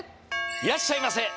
いらっしゃいませ。